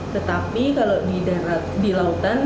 tetapi kalau di daerah di lautan